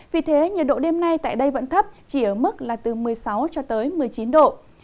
vì thế nhiệt độ đêm nay tại đây vẫn thấp chỉ ở mức là từ một mươi sáu cho tới một mươi chín độ